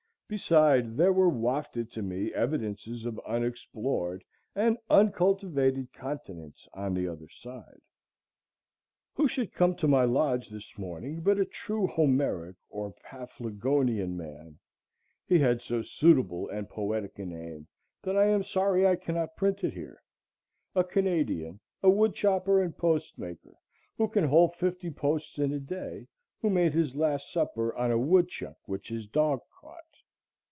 Beside, there were wafted to me evidences of unexplored and uncultivated continents on the other side. Who should come to my lodge this morning but a true Homeric or Paphlagonian man,—he had so suitable and poetic a name that I am sorry I cannot print it here,—a Canadian, a woodchopper and post maker, who can hole fifty posts in a day, who made his last supper on a woodchuck which his dog caught.